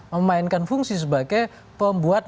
memainkan fungsi sebagai pembuat